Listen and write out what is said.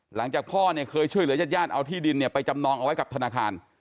หลังจากพ่อเนี่ยเคยช่วยเหลือญาติญาติเอาที่ดินเนี่ยไปจำนองเอาไว้กับธนาคาร